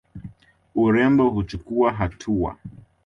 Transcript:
Urembo huchukuwa hatua.